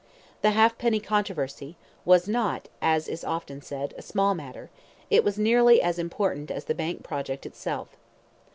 The halfpenny controversy, was not, as is often said, a small matter; it was nearly as important as the bank project itself.